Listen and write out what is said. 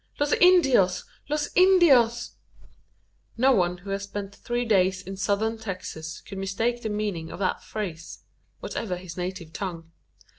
"Los Indios! Los Indios!" No one who has spent three days in Southern Texas could mistake the meaning of that phrase whatever his native tongue.